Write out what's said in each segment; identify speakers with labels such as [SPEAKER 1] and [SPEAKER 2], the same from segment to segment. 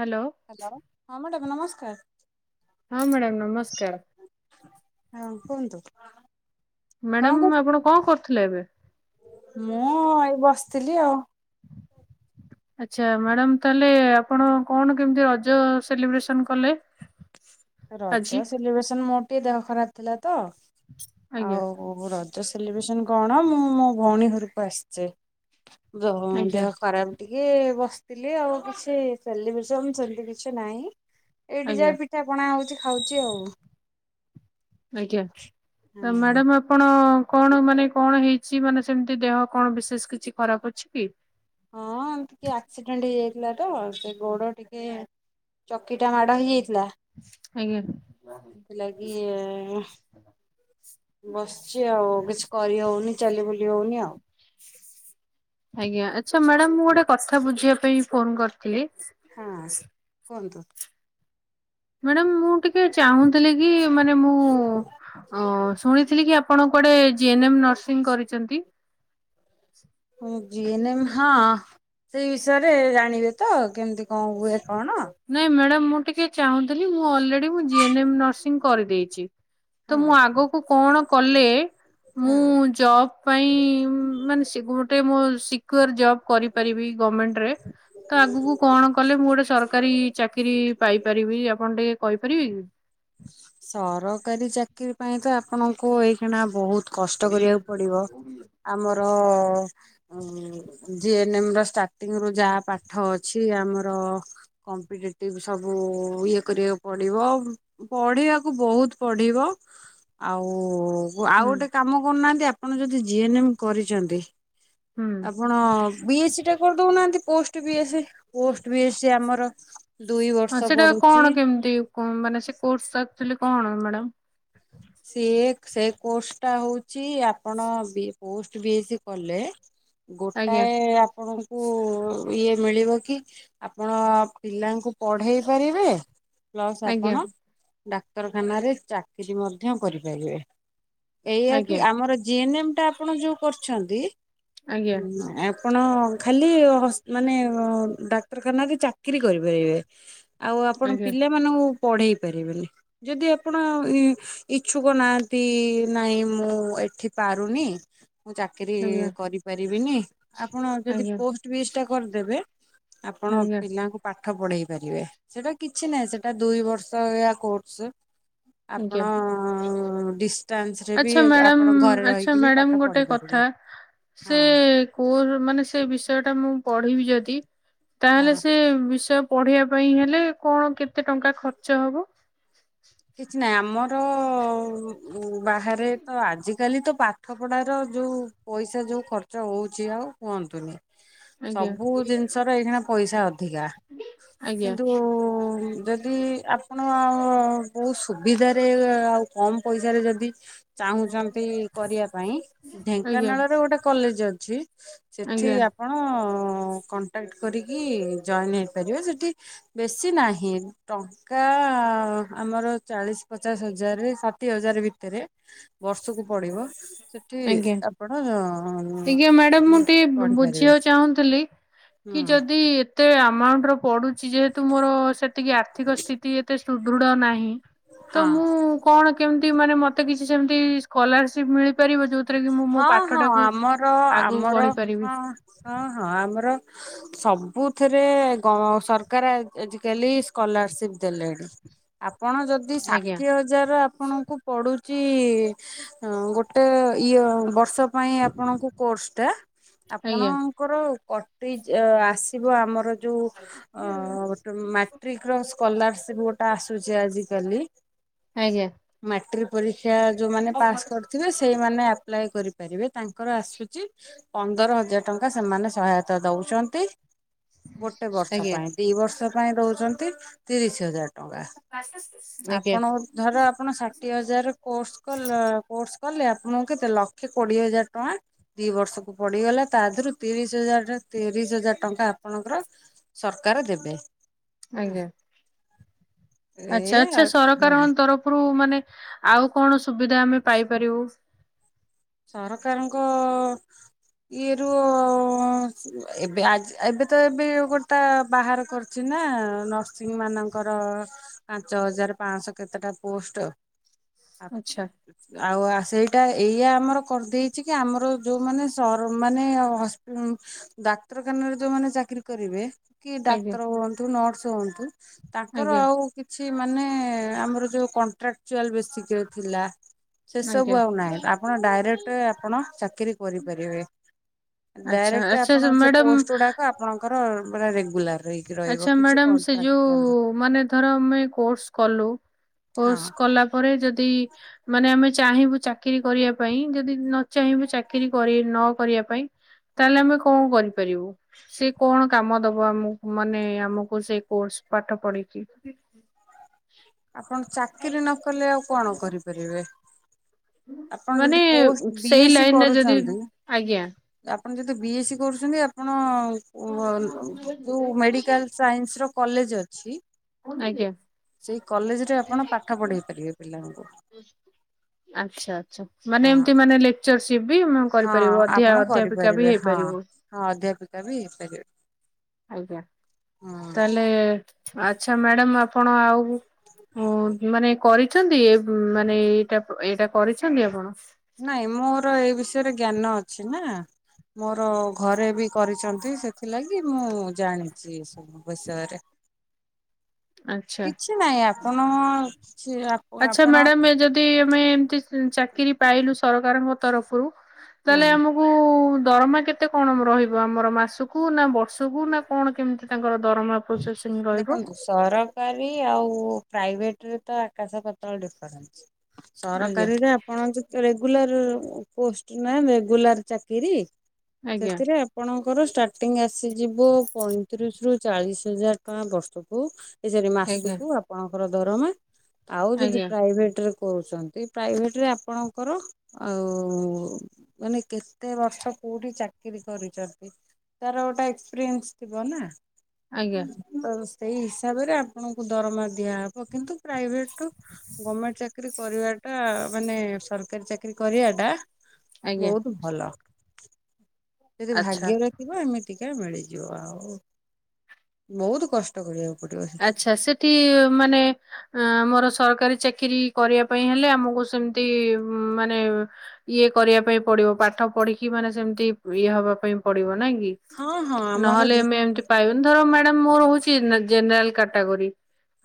[SPEAKER 1] Hello.
[SPEAKER 2] Hello ହଁ madam ନମସ୍କାର।
[SPEAKER 1] ହଁ ମ୍ୟାଡ଼ାମ ନମସ୍କାର।
[SPEAKER 2] ହଁ କୁହନ୍ତୁ। କଣ
[SPEAKER 1] ମ୍ୟାଡାମ
[SPEAKER 2] କରୁ
[SPEAKER 1] ଆପଣ କଣ କରୁଥିଲେ ଏବେ?
[SPEAKER 2] ମୁଁ ଏଇ ବସିଥିଲି ଆଉ।
[SPEAKER 1] ଆଚ୍ଛା ମ୍ୟାଡ଼ାମ ତାହଲେ ଆପଣ କଣ କେମିତି ରଜ ସେଲିବ୍ରେସନ କଲେ? ଆଜି?
[SPEAKER 2] ରଜ ସେଲିବ୍ରେସନ ମୋର ଟିକେ ଦେହ ଖରାପ ଥିଲା ତ
[SPEAKER 1] ଆଜ୍ଞା
[SPEAKER 2] ଆଉ ହୋ ରଜ ସେଲିବ୍ରେସନ କଣ ମୁଁ ମୋ ଭଉଣୀ ଘରକୁ ଆସିଛି। [unintelligible]
[SPEAKER 1] ଆଜ୍ଞା
[SPEAKER 2] ଦେହ ଖରାପ ଟିକେ ବସିଥିଲି ଆଉ କିଛି ସେଲିବ୍ରେସନ ସେମିତି କିଛି ନାହିଁ। ଏଇଠି
[SPEAKER 1] ଆଜ୍ଞା
[SPEAKER 2] ଯାହା ପିଠା ପଣା ହଉଛି ଖାଉଛି ଆଉ।
[SPEAKER 1] ଆଜ୍ଞା
[SPEAKER 2] ହଁ।
[SPEAKER 1] ମ୍ୟାଡ଼ାମ ଆପଣ କଣ ମାନେ କଣ ହେଇଛି ମାନେ ସେମିତି ଦେହ କଣ ବିଶେଷ କିଛି ଖରାପ ଅଛି କି?
[SPEAKER 2] ହଁ ଏମତି ଟିକେ ଆକ୍ସିଡେଣ୍ଟ ହେଇଯାଇଥିଲା ତ ସେ ଗୋଡ ଟିକେ ଚକି ଟା ମାଡ଼ ହେଇଯାଇଥିଲା
[SPEAKER 1] ଆଜ୍ଞା
[SPEAKER 2] ସେଥିଲାଗି ବସିଛି ଆଉ କିଛି କରି ହଉନି ଚାଲିିବୁଲି ହଉନି ଆଉ।
[SPEAKER 1] ଆଜ୍ଞା ଆଚ୍ଛା ମ୍ୟାଡାାମ ମୁଁ ଗୋଟେ କଥା ବୁଝିବା ପାଇଁ ଫୋନ କରିଥିଲି
[SPEAKER 2] ହଁ କୁହନ୍ତୁ।
[SPEAKER 1] ମ୍ୟାଡ଼ାମ ମୁଁ ଟିକେ ଚାହୁଁଥିଲି କି ମାନେ ମୁଁ ଅ ଶୁଣିଥିଲି କି- ଆପଣ କୁଆଡେ ଜିଏନ୍ ଏମ୍ ନର୍ସିଂ କରିଛନ୍ତି।
[SPEAKER 2] ହଁ ଜିଏନ୍ ଏମ୍ ହଁ ସେଇ ବିଷୟରେ ଜାଣିବେ ତ କେମତି କଣ ହୁଏ କଣ?
[SPEAKER 1] ନାଇଁ ମ୍ୟାଡାମ ମୁଁ ଟିକେ ଚାହୁଁଥିଲି ମୁଁ ଅଲରେଡି ମୁଁ ଜଏ କରିଦେଇଛି
[SPEAKER 2] ହଁ
[SPEAKER 1] ତ ମୁଁ ଆଗକୁ କଣ କଲେ ମୁଁ
[SPEAKER 2] ହଁ।
[SPEAKER 1] ଜବ ପାଇଁ ମାନେ ସେ ଗୋଟେ ମୋ ଶି କର ଜବ କରିପାରିବି ଗରମେଣ୍ଟରେ ତ ଆଗକୁ କଣ କଲେ ମୁଁ ଗୋଟେ ସରକାରୀ ଚାକିରି ପାଇପାରିବି ଆପଣ ଟିକେ କହିପାରିବେ କି?
[SPEAKER 2] ସରକାରୀ ଚାକିରୀ ପାଇଁ ତ ଆପଣଙ୍କୁ ଏଇକ୍ଷୀଣଆ ବହୁତ - କଷ୍ଟ କରିବାକୁ ପଡିବ ଆମର ଜିଏନ୍ ଏମ୍ ର ଷ୍ଟାର୍ଟିଂ ରୁ ଯାହା ପାଠ ଅଛି ଆମର କମ୍ପିଟେଟିଭ ସବୁ ଇଏ କରିବାକୁ ପଡିବ। ପଢିବାକୁ ବହୁତ ପଢିବ ଆଉ ଆଉ
[SPEAKER 1] ହୁଁ
[SPEAKER 2] ଗୋଟେ କାମ କରୁନାହାନ୍ତି ଆପଣ ଯଦି ଜିଏନ ଏମ୍ କରିଛନ୍ତି
[SPEAKER 1] ହୁଁ
[SPEAKER 2] ଆପଣ- ବି ଏ ସି ଟା କରିଦଉନାହାନ୍ତି ପୋଷ୍ଟ ବି ଏ ସି ପୋଷ୍ଟ ବି ଏ ସି ଆମର। ଦୁଇ
[SPEAKER 1] ହଁ
[SPEAKER 2] ବର୍ଷ
[SPEAKER 1] ସେଟା
[SPEAKER 2] ପଡୁଛି
[SPEAKER 1] କଣ କେମିତି ମାନେ ସେ କୋର୍ସ ଆକଚୁଆଲି କଣ ମ୍ୟାଡାମ?
[SPEAKER 2] ସିଏ ସେ କୋର୍ସ ଟା ହଉଛି ଆପଣ ପୋଷ୍ଟ ବିଏସି କଲେ -
[SPEAKER 1] ଆଜ୍ଞା
[SPEAKER 2] ଗୋଟାଏ ଆପଣଙ୍କୁ ଇଏ ମିଳିବ କି ଆପଣ ପିଲାଙ୍କୁ ପଢେଇ ପାରିବେ ପ୍ଲସ୍
[SPEAKER 1] ଆଜ୍ଞା
[SPEAKER 2] ଆପଣ ଡାକ୍ତରଖାନାରେ ଚାକିରି ମଧ୍ୟ କରିପାରିବେ। ଏଇଆ କି
[SPEAKER 1] ଆଜ୍ଞା
[SPEAKER 2] ଆମର ଜି ଏନ ଏମ ଟା ଆପଣ ଯୋଉ କରିଛନ୍ତି
[SPEAKER 1] ଆଜ୍ଞା
[SPEAKER 2] - ଆପଣ ଖାଲି ମାନେ ଡାକ୍ତରଖାନାରେ ଚାକିରି କରିପାରିବେ। ଆଉ ଆପଣ
[SPEAKER 1] ଆଜ୍ଞା
[SPEAKER 2] ପିଲାମାନଙ୍କୁ ପଢେଇ ପାରିବେନି ଯଦି ଆପଣ- ଇଛୁକ ନାହାନ୍ତି ନାଇଁ ମୁଁ ଏଠି ପାରୁନି ମୁଁ ଚାକି ଚାକିରି
[SPEAKER 1] ଆଜ୍ଞା
[SPEAKER 2] କରିପାରିବିନି ଆପଣ
[SPEAKER 1] ଆଜ୍ଞା
[SPEAKER 2] ଯଦି
[SPEAKER 1] ଆଜ୍ଞା
[SPEAKER 2] ପୋଷ୍ଟ ବିସ୍ ଟା କରିଦେବେ- ଆପଣ
[SPEAKER 1] ଆଜ୍ଞା
[SPEAKER 2] ପିଲାଙ୍କୁ ପାଠ ପଢେଇ ପାରିବେ ସେଟା କିଛି ନାହିଁ ସେଟା ଦୁଇ ବର୍ଷଆ କୋର୍ସ-
[SPEAKER 1] ଆଜ୍ଞା
[SPEAKER 2] ଆପଣ- ଅ ଡିଷ୍ଟାନ୍ସ ରେ ବି
[SPEAKER 1] ଆଚ୍ଛା ମ୍ୟାଡ଼ାମ
[SPEAKER 2] ଆପଣ ଘରେ
[SPEAKER 1] ଆଚ୍ଛା
[SPEAKER 2] ରହିକି ବି
[SPEAKER 1] ମ୍ୟାଡ଼ାମ
[SPEAKER 2] ପାଠ
[SPEAKER 1] ଗୋଟେ କଥା
[SPEAKER 2] ପଢିପାରିବେ।
[SPEAKER 1] ସେ କୋ ମାନେ ସେ ବିଷୟ ଟା ମୁଁ ପଢିବି ଯଦି
[SPEAKER 2] ହଁ।
[SPEAKER 1] ତାହେଲେ ସେ ବିଷୟ- ପଢିବା ପାଇଁ ହେଲେ କଣ କେତେ ଟଙ୍କା ଖର୍ଚ୍ଚ ହବ?
[SPEAKER 2] କିଛି ନାହିଁ ଆମର ବାହାରେ ତ ଆଜିକାଲି ତ ପାଠପଢ଼ାର ଯୋଉ- ପଇସା ଯୋଉ ଖର୍ଚ୍ଚ ହଉଛି ଆଉ କୁହନ୍ତୁନି-
[SPEAKER 1] ଆଜ୍ଞା
[SPEAKER 2] ସବୁ ଜିନିଷ ର ଏଇ ଖିନା ପଇସା ଅଧିକ।
[SPEAKER 1] ଆଜ୍ଞା
[SPEAKER 2] କିନ୍ତୁ ଯଦି ଆପଣ ବହୁତ ସୁବିଧାରେ ଆଉ କମ ପଇସାରେ ଯଦି ଚାହୁଁଛନ୍ତି ଚାକିରୀ କରିବା ପାଇଁ
[SPEAKER 1] ଆଜ୍ଞା
[SPEAKER 2] ଢେଙ୍କାନାଳରେ ଗୋଟେ କଲେଜ ଅଛି ସେଠି -
[SPEAKER 1] [unintelligible]
[SPEAKER 2] କଣ୍ଟାକ୍ଟ କରିକି ଜଏନ୍ ହେଇପାରିବେ ସେଠି- ବେଶୀ ନାହିଁ ଟଙ୍କା- ଆମର ଚାଳିଶ ପଚାଶ ହଜାର ଷାଠିଏ ହଜାର ଭିତରେ ବର୍ଷକୁ ପଡିବ ସେଠି
[SPEAKER 1] ଆଜ୍ଞା
[SPEAKER 2] ଆପଣ
[SPEAKER 1] ଆଜ୍ଞା ମ୍ୟାଡାମ ମୁଁ ଟିକେ
[SPEAKER 2] ପଢିପାରିବେ।
[SPEAKER 1] ବୁଝିବାକୁ ଚାହୁଁଥିଲି
[SPEAKER 2] ହୁଁ
[SPEAKER 1] କି ଯଦି ଏତେ ଆମାଉଣ୍ଟ ର ପଡୁଛି ଯେହେତୁ ମୋର ସେତିକି ଆର୍ଥିକ ସ୍ଥିତି ଏତେ ସୁଦୃଢ ନାହିଁ। ତ
[SPEAKER 2] ହଁ।
[SPEAKER 1] ମୁଁ କଣ କେମିତି ମାନେ ମତେ କିଛି ସେମିତି ସ୍କଲାରସିପ ମିଳିପାରିବ ଯୋଉ
[SPEAKER 2] ହଁ ହଁ ଆମର
[SPEAKER 1] ଆଗକୁ
[SPEAKER 2] ଆମର
[SPEAKER 1] ବଢି ପାରିବି।
[SPEAKER 2] ହଁ ହଁ ହଁ ଆମର ସବୁଥିରେ ସରକାର ଆଜିିକାଲି ସ୍କଲାରସିପ ଦେଲେଣି। ଆପଣ ଯଦି ଯଦି
[SPEAKER 1] ଆଜ୍ଞା
[SPEAKER 2] ଷାଠିଏ ହଜାର ଆପଣଙ୍କୁ ପଡୁଛି ଗୋଟେ ଇଏ ବର୍ଷ ପାଇଁ ଆପଣଙ୍କୁ କୋର୍ସଟା ଆପଣ
[SPEAKER 1] ଆଜ୍ଞା
[SPEAKER 2] ତାଙ୍କର କଟି ଆସିବ ଆମର ଯୋଉ ଅ ମାଟ୍ରିକ ର ସ୍କଲାରସିପ ଗୋଟେ ଆସୁଛି ଆଜିକାଲି
[SPEAKER 1] ଆଜ୍ଞା
[SPEAKER 2] ମାଟ୍ରିକ ପରୀକ୍ଷା ଯୋଉମାନେ ପାସ କରିଥିବେ ସେଇମାନେ- ଆପ୍ଲାଏ କରିପାରିବେ ତାଙ୍କର ଆସୁଛି ପନ୍ଦର ହଜାର ଟଙ୍କା ସେମାନେ ସହାୟତା ଦଉଛନ୍ତି। ଗୋଟେ ବର୍ଷ
[SPEAKER 1] ଆଜ୍ଞା
[SPEAKER 2] ପାଇଁ ଦି ବର୍ଷ ପାଇଁ ଦଉଛନ୍ତି ତିରିଶ ହଜାର ଟଙ୍କା। ଆପଣ ଧର ଆପଣ ଷାଠିଏ ହଜାର କୋର୍ସ କଲେ କୋର୍ସ କଲେ ଆପଣଙ୍କୁ କେତେ ଲକ୍ଷେ କୋଡିଏ ହଜାର ଟଙ୍କା ଦି ବର୍ଷକୁ ପଡିଗଲା ତା ଦେହରୁ ତିରିଶ ହଜାର ତିରିଶ ହଜାର ଟଙ୍କା ଆପଣଙ୍କର ସରକାର ଦେବେ।
[SPEAKER 1] ଆଜ୍ଞା।
[SPEAKER 2] ଏ
[SPEAKER 1] ଆଚ୍ଛା ଆଚ୍ଛା
[SPEAKER 2] ହଁ
[SPEAKER 1] ସରକାରଙ୍କ ତରଫରୁ ମାନେ ଆଉ କଣ ସୁବିଧା ଆମେ ପାଇପାରିବୁ?
[SPEAKER 2] ସରକାରଙ୍କ ଇଏ ରୁ ଏବେ ଆଜି ଏବେ ତ ଏବେ ଗୋଟା ବାହାର କରିଛି ନା ନର୍ସିଂ ମାନଙ୍କର ପାଞ୍ଚ ହଜାର ପାଞ୍ଚଶହ କେତେ ଟା ପୋଷ୍ଟ
[SPEAKER 1] ଆଚ୍ଛା
[SPEAKER 2] ଆଉ ସେଇଟା ଏଇଆ ଆମର କରିଦେଇଛି କି ଆମର ଯୋଉ ମାନେ ସର୍ ମାନେ ହସ୍ ଡାକ୍ତରଖାନାରେ ଯୋଉମାନେ ଚାକିରି କରିବେ କି
[SPEAKER 1] ଆଜ୍ଞା
[SPEAKER 2] ଡାକ୍ତର ହୁଅନ୍ତୁ ନର୍ସ ହୁଅନ୍ତୁ ତାଙ୍କର
[SPEAKER 1] ଆଜ୍ଞା
[SPEAKER 2] ଆଉ କିଛି ମାନେ ଆମର ଯୋଉ କଣ୍ଟ୍ରାକ୍ଟଚୁଆଲ ବେସିକ୍ ଥିଲା ସେ ସବୁ
[SPEAKER 1] ଆଜ୍ଞା।
[SPEAKER 2] ଆଉ ନାହିଁ ଆପଣ ଡାଇରେକ୍ଟ ଆପଣ ଚାକିରୀ କରିପାରିବେ।
[SPEAKER 1] ଆଚ୍ଛା
[SPEAKER 2] ଡାଇରେକ୍ଟ
[SPEAKER 1] ଆଚ୍ଛା
[SPEAKER 2] ଆପଣ ସେ
[SPEAKER 1] ମ୍ୟାଡାମ
[SPEAKER 2] ପୋଷ୍ଟ ଗୁଡାକ ଆପଣଙ୍କର ମାନେ ରେଗୁଲାର ରହି
[SPEAKER 1] ଆଚ୍ଛା ମ୍ୟାଡାମ ସେ ଯୋଉ ମାନେ ଧର ଆମେ କୋର୍ସ କଲୁ କୋର୍ସ
[SPEAKER 2] ହଁ
[SPEAKER 1] କଲା ପରେ ଯଦି ମାନେ ଆମେ ଚାହିଁବୁ ଚାକିରୀ କରିବା ପାଇଁ ଯଦି ନ ଚାହିଁବୁ ଚାକିରୀ ନ କରିବା ପାଇଁ ତାହେଲେ ଆମେ କଣ କରିପାରିବୁ ସେ କଣ କାମ ଦବ ଆମକୁ ମାନେ ଆମକୁ ସେ କୋର୍ସ ପାଠ ପଢିକି
[SPEAKER 2] ଆପଣ ଚାକିରିୀ ନ କଲେ ଆଉ କଣ କରିପାରିବେ? ଆପଣ
[SPEAKER 1] ମାନେ
[SPEAKER 2] ଯଦି ପୋଷ୍ଟ
[SPEAKER 1] ସେଇ
[SPEAKER 2] ବିଏସି
[SPEAKER 1] ଲାଇନରେ ଯଦି
[SPEAKER 2] କରୁଛନ୍ତି
[SPEAKER 1] ଆଜ୍ଞା।
[SPEAKER 2] ଆପଣ ଯଦି ବିଏସି କରୁଛନ୍ତି ଆପଣ ଯୋଉ ମେଡିକାଲ ସାଇନ୍ସ ର କଲେଜ ଅଛି।
[SPEAKER 1] ଆଜ୍ଞା।
[SPEAKER 2] ସେଇ କଲେଜ ରେ ଆପଣ ପାଠ ପଢେଇ ପାରିବେ ପିଲାମାନଙ୍କୁ।
[SPEAKER 1] ଆଚ୍ଛା ଆଚ୍ଛା ମାନେ
[SPEAKER 2] ହଁ
[SPEAKER 1] ଏମିତି ମାନେ ଲେ ଟିଚର ସିପ ବି
[SPEAKER 2] ହଁ
[SPEAKER 1] କରିପାରିବୁ
[SPEAKER 2] ଆପଣ
[SPEAKER 1] ଅଧ୍ୟାପିକା
[SPEAKER 2] କରିପାରିବେ
[SPEAKER 1] ବି
[SPEAKER 2] ହଁ
[SPEAKER 1] ହେଇପାରିବ।
[SPEAKER 2] ହଁ ଅଧ୍ୟାପିକା ବି ହେଇପାରିବେ।
[SPEAKER 1] ଆଜ୍ଞା
[SPEAKER 2] ହୁଁ।
[SPEAKER 1] ତାହଲେ ଆଛା ମ୍ୟାଡାମ ଆପଣ ଆଉ ହ ମାନେ କରିଛନ୍ତି ଏ ମାନେ ଏଇଟା ଏଇଟା କରିଛନ୍ତି ଆପଣ?
[SPEAKER 2] ନାଇଁ ମୋର ଏଇ ବିଷୟରେ ଜ୍ଞାନ ଅଛି ନା। ମୋର ଘରେ ବି କରିଚନ୍ତି ସେଥିଲାଗି ମୁଁ ଜାଣିଚି ଏସବୁ ବିଷୟରେ।
[SPEAKER 1] ଆଚ୍ଛା।
[SPEAKER 2] କି ନାଇଁ ଆପଣ କିଛି
[SPEAKER 1] ଆଚ୍ଛା
[SPEAKER 2] ଆପଣ
[SPEAKER 1] ମ୍ୟାଡ଼ମ୍ ଏ ଯଦି ଆମେ ଏମିତି ଚାକିରି ପାଇଲୁ ସରକାରଙ୍କ ତରଫରୁ
[SPEAKER 2] ହଁ
[SPEAKER 1] ତାହେଲେ ଆମକୁ ଦରମା କେତେ କଣ ରହିବ ଆମର ମାସୁକୁ ନା ବର୍ଷକୁ ନା କଣ କେମିତି ତାଙ୍କର ଦରମା? ପ୍ରୋସେସିଙ୍ଗ ରହିବ।
[SPEAKER 2] ଦେଖନ୍ତୁ ସରକାରୀ ଆଉ ପ୍ରାଇଭେଟରେ ତ ଆକାଶ ପାତାଳ ଡିଫରେନ୍ସ।
[SPEAKER 1] ଆଜ୍ଞା
[SPEAKER 2] ସରକାରୀରା [unintelligible] ରେଗୁଲାର ପୋଷ୍ଟ ନା ରେଗୁଲାର ଚାକିରିୀ
[SPEAKER 1] ଆଜ୍ଞା
[SPEAKER 2] ସେଥିରେ ଆପଣଙ୍କର ଷ୍ଟାର୍ଟିଂ ଆସିଯିବ ପଇଁତିରିଶ ରୁ ଚାଳିଶ ହଜାର ଟଙ୍କା ବର୍ଷକୁ। ଏ ସରି
[SPEAKER 1] ଆଜ୍ଞା।
[SPEAKER 2] ମାସୁକୁ ଆପଣଙ୍କର ଦରମା ଆଉ ଯଦି
[SPEAKER 1] ଆଜ୍ଞା
[SPEAKER 2] ପ୍ରାଇଭେଟରେ କରୁଚନ୍ତି ପ୍ରାଇଭେଟରେ ଆପଣଙ୍କର ଆଉ ମାନେ କେତେ ବର୍ଷ କୋଉଠି ଚାକିରି କରିଚନ୍ତି। ତାର ଗୋଟା ଏକ୍ସପିରିଏନ୍ସ ଥିବ ନା।
[SPEAKER 1] ଆଜ୍ଞା।
[SPEAKER 2] ତ ସେଇ ହିସାବରେ ଆପଣଙ୍କୁ ଦରମା ଦିଆହବ କିନ୍ତୁ ପ୍ରାଇଭେଟରୁ ଗମେଣ୍ଟ ଚାକିରୀ କରିବାଟା ମାନେ ସରକାରୀ ଚାକିରୀ କରିବାଟା
[SPEAKER 1] ଆଜ୍ଞା
[SPEAKER 2] ବହୁତ୍ ଭଲ, ଯଦି
[SPEAKER 1] ଆଚ୍ଛା
[SPEAKER 2] ଭାଗ୍ୟରେ ଥିବ ଏମିତିକା ମିଳିଯିବ ଆଉ ବହୁତ୍ କଷ୍ଟ କରିବାକୁ ପଡ଼ିବ ସେଥିପାଇଁ।
[SPEAKER 1] [unintelligible] ମାନେ ଆମର ସରକାରୀ ଚାକିରି କରିବା ପାଇଁ ହେଲେ ଆମୁକୁ ସେମ୍ତି ମାନେ ଇଏ କରିବା ପାଇଁ ପଡିବ ପାଠ ପଢିକି ମାନେ ସେମ୍ତି ଇଏ ହବା ପାଇଁ ପଡିବ ନାଇଁ କି।
[SPEAKER 2] ହଁ ହଁ ଆମର
[SPEAKER 1] ନହେଲେ
[SPEAKER 2] ଯେ
[SPEAKER 1] ଏମ୍ ଏ ଏମ୍ତି ପାଇବୁନି, ଧର ମ୍ୟାଡମ୍ ମୋର ହଉଚି ଜେନେରାଲ୍ କାଟାଗୋରି।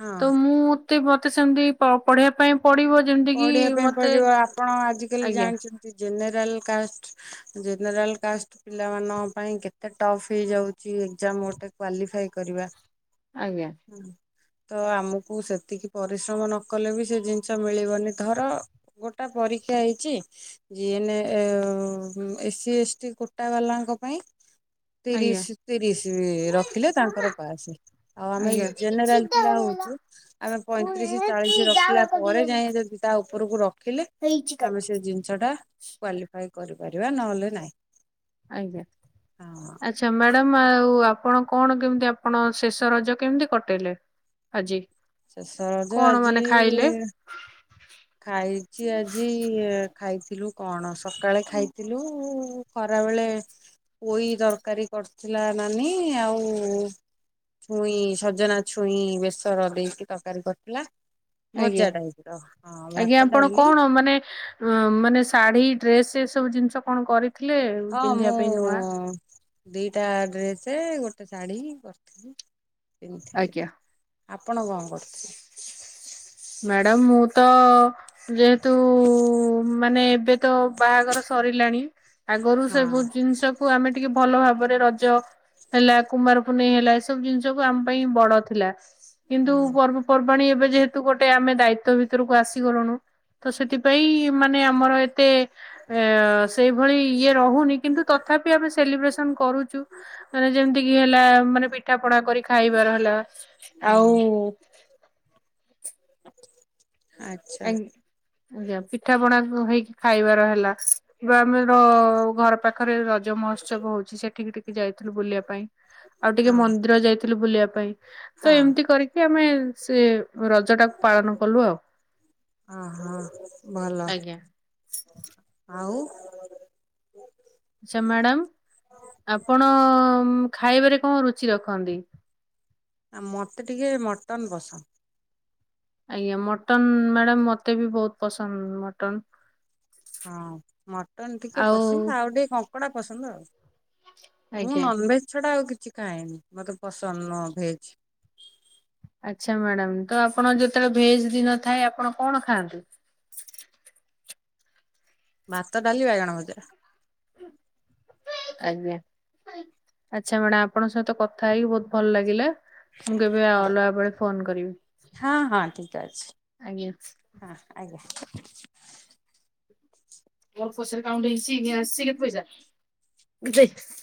[SPEAKER 2] ହଁ
[SPEAKER 1] ତ ମୁଁ ତେ ମତେ ସେମ୍ତି ପ ପଢେଇବା ପାଇଁ ପଡିବ? ଯେମିତି କିି
[SPEAKER 2] ପଢିବା ପାଇଁ
[SPEAKER 1] ମତେ
[SPEAKER 2] ପଡିବ ଆପଣ ଆଜିକାଲି
[SPEAKER 1] ଆଜ୍ଞା
[SPEAKER 2] ଜାଣିଛନ୍ତି ଜେନେରାଲ୍ କାଷ୍ଟ ଜେନେରାଲ୍ କାଷ୍ଟ ପିଲାମାନଙ୍କ ପାଇଁ କେତେ ଟପ୍ ହେଇଯାଉଚି ଏକ୍ଜାମ ଗୋଟେ କ୍ଵାଲିଫାଇ କରିବା।
[SPEAKER 1] ଆଜ୍ଞା।
[SPEAKER 2] ତ ଆମକୁ ସେତିକି ପରିଶ୍ରମ ନ କଲେ ବି ସେ ଜିନିଷ ମିଳି ବନି ଧର ଗୋଟା ପରୀକ୍ଷା ହେଇଚି। ଜିନ୍ଏ ଏସି ଏସ୍ଟି କୋଟା ବାଲାଙ୍କ ପାଇଁ
[SPEAKER 1] ଆଜ୍ଞା
[SPEAKER 2] ତିରିଶ ତିରିଶ ରଖିଲେ ତାଙ୍କର ପାସ୍, ଆଉ ଆମେ
[SPEAKER 1] ଆଜ୍ଞା
[SPEAKER 2] ଜେନେରାଲ୍ ପିଲା ହଉଚୁ ଆମେ ପଇଁତିରିଶି ଚାଳିଶି ରଖିଲା ପରେ ଯାଇଁ ଯଦି କିନ୍ତୁତା ଉପରକୁ ରଖିଲେ ଆମେ ସେଜିନିଷ ଟା କ୍ଵାଲିଫାଇ କରିପାରିବା ନହେଲେ ନାଇଁ।
[SPEAKER 1] ଆଜ୍ଞା ଆ ଆଚ୍ଛା ମ୍ୟାଡ଼ମ୍ ଆଉ ଆପଣ କଣ କେମିତି ଆପଣ ଶେଷ ରଜ କେମିତି କଟେଇଲେ? ଆଜି।
[SPEAKER 2] ଶେଷ ରଜ
[SPEAKER 1] କଣ
[SPEAKER 2] ଆଜି
[SPEAKER 1] ମାନେ ଖାଇଲେ?
[SPEAKER 2] ଖାଇଚି ଆଜି ଖାଇଥିଲୁ କଣ ସକାଳେ ଖାଇଥିଲୁ ଖରାବେଳେ ପୋଇ ତରକାରୀ କରୁଥିଲା ନାନୀ ଆଉ ଛୁଇଁ ସଜନା ଛୁଇଁ ବେସର ଦେଇକି ତରକାରୀ କରିଥିଲା।
[SPEAKER 1] ଆଜ୍ଞା
[SPEAKER 2] ଭଜା ଟାଇପ ର। ହଁ ଭାତ
[SPEAKER 1] ଆଜ୍ଞା ଆପଣ
[SPEAKER 2] ଡାଲି
[SPEAKER 1] କଣ ମାନେ-ମାନେ ଶାଢୀ ଡ୍ରେସ୍ ଏସବୁ ଜିନିଷ କଣ କରି ଥିଲେ ପିନ୍ଧିବା
[SPEAKER 2] ମୁଁ
[SPEAKER 1] ପାଇଁ ନୂଆ?
[SPEAKER 2] ହଁ। ଦିଟା ଡ୍ରେସେ ଗୋଟେ ଶାଢୀ କରିଥିଲି ପିନ୍ଧିଥିଲି।
[SPEAKER 1] ଆଜ୍ଞା।
[SPEAKER 2] ଆପଣ କଣ କରିଥିଲେ?
[SPEAKER 1] ମ୍ୟାଡମ୍ ମୁଁ ତ ଯେହେତୁ ମାନେ ଏବେ ତ ବାହାଘର ସରିଲାଣି ଆଗରୁ ସେବୁ
[SPEAKER 2] ହଁ
[SPEAKER 1] ଜିନିଷ କୁ ଆମେ ଟିକେ ଭଲ ଭାବରେ ରଜ ହେଲା କୁମାର ପୁନେଇଁ ହେଲା ଏସବୁ ଜିନିଷକୁୁ ଆମ ପାଇଁ ବଡ ଥିଲା। କିନ୍ତୁ
[SPEAKER 2] ହଁ
[SPEAKER 1] ପର୍ବପର୍ବାଣୀ ଏବେ ଯେହେତୁ ଗୋଟେ ଆମେ ଦାୟିତ୍ୱ ଭିତରକୁ ଆସିଗଲୁଣୁ। ତ ସେଥିପାଇଁ ମାନେ ଆମର ଏତେ ଏ ସେଇଭଳି ଇଏ ରହୁନି କିନ୍ତୁ ତଥାପି ଆମେ ସେଲିବ୍ରେସନ୍ କରୁଚୁ। ମାନେ ଯେମିତି କିି ହେଲା, ମାନେ ପିଠା ପଣା କରି ଖାଇବାର ହେଲା ଆଉ
[SPEAKER 2] ହଁ ଆଚ୍ଛା।
[SPEAKER 1] ଆଜ୍ଞା ପିଠା ପଣା ହେଇକି ଖାଇବାର ହେଲା। ଆମର ଘର ପାଖରେ ରଜ ମହୋତ୍ସବ ହଉଛି, ସେଠିକି ଟିକେ ଯାଇଥିଲୁ ବୁଲିବା ପାଇଁ। ଆଉ ଟିକେ
[SPEAKER 2] ହଁ
[SPEAKER 1] ମନ୍ଦିର ଯାଇଥିଲୁ ବୁଲିବା ପାଇଁ, ତ
[SPEAKER 2] ହଁ
[SPEAKER 1] ଏମିତି କରି କି ଆମେ ସେ ରଜ ଟାକୁ ପାଳନ କଲୁ ଆଉ
[SPEAKER 2] ଅ ହ ଭଲ
[SPEAKER 1] ଆଜ୍ଞା।
[SPEAKER 2] ଆଉ
[SPEAKER 1] ଆଛା ମ୍ୟାଡାମ ଆପଣ ଉଁ ଖାଇବାରେ କଣ ରୁଚି ରଖନ୍ତି?
[SPEAKER 2] ଆ ମୋତେ ଟିକେ ମଟନ୍ ପସନ୍ଦ।
[SPEAKER 1] ଆଜ୍ଞା ମଟନ୍, ମ୍ୟାଡ଼ାମ ମତେ ବି ବହୁତ ପସନ୍ଦ ମଟନ।
[SPEAKER 2] ହଁ ମଟନ୍ ଟିକେ
[SPEAKER 1] ଆଉ
[SPEAKER 2] ପସନ୍ଦ ଆଉ ଟିକେ କଙ୍କଡ଼ା ପସନ୍ଦ ଆଉ। ମୁଁ
[SPEAKER 1] ଆଜ୍ଞା।
[SPEAKER 2] ନନଭେଜ ଛଡା ଆଉ କିଛି ଖାଏନି ମତେ ପସନ୍ଦ ନ ଭେଜ।
[SPEAKER 1] ଆଛା ମ୍ୟାଡ଼ାମ ତ ଆପଣ ଯେତେବେଳେ ଭେଜ ଦିନ ଥାଏ ଆପଣ କଣ ଖାଆନ୍ତି?
[SPEAKER 2] ଭାତ ଡାଲିି ବାଇଗଣ ଭଜା।
[SPEAKER 1] ଆଜ୍ଞା ଆଚ୍ଛା ମାଡାମ୍ ଆପଣଙ୍କ ସହିତ କଥା ହେଇକି ବହୁତ୍ ଭଲ ଲାଗିଲା। ମୁଁ କେବେ
[SPEAKER 2] ହଁ
[SPEAKER 1] ଅଲଗା ବେଳେ ଫୋନ କରିବି,
[SPEAKER 2] ହଁ ହଁ ଠିକ ଅଛି
[SPEAKER 1] ଆଜ୍ଞା
[SPEAKER 2] ହଁ ଆଜ୍ଞା।
[SPEAKER 1] ମୋର ପଛରେ କାଉଣ୍ଟ ହେଇଚି ଇନେ ଆସିଚି କେତେ ପଇସା?